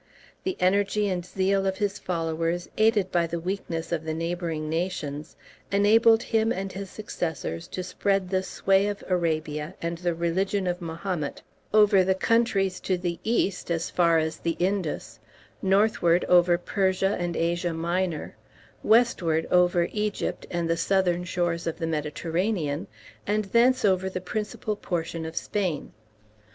The energy and zeal of his followers, aided by the weakness of the neighboring nations, enabled him and his successors to spread the sway of Arabia and the religion of Mahomet over the countries to the east as far as the Indus, northward over Persia and Asia Minor, westward over Egypt and the southern shores of the Mediterranean, and thence over the principal portion of Spain.